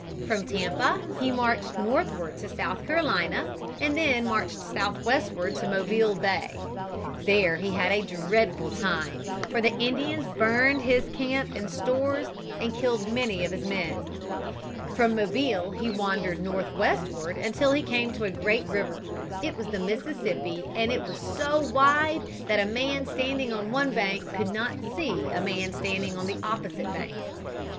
From Tampa he marched northward to South Carolina and then marched southwestward to Mobile Bay. There he had a dreadful time; for the Indians burned his camp and stores and killed many of his men. From Mobile he wandered northwestward until he came to a great river. It was the Mississippi, and was so wide that a man standing on one bank could not see a man standing on the opposite bank.